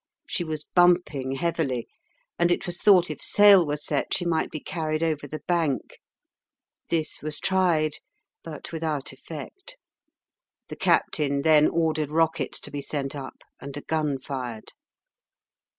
She was bumping heavily, and it was thought if sail were set she might be carried over the bank. This was tried, but without effect. The captain then ordered rockets to be sent up and a gun fired.